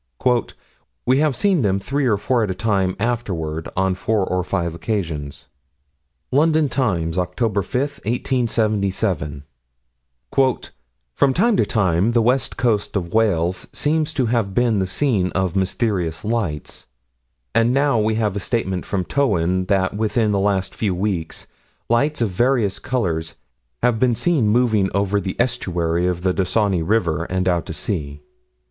"We have seen them three or four at a time afterward, on four or five occasions." London Times, Oct. 5, 1877: "From time to time the west coast of Wales seems to have been the scene of mysterious lights.... And now we have a statement from Towyn that within the last few weeks lights of various colors have been seen moving over the estuary of the Dysynni River, and out to sea.